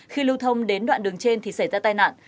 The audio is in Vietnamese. khi lưu thông đến đoạn đường trên thì xảy ra tai nạn